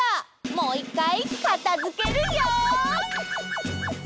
もういっかいかたづけるよ！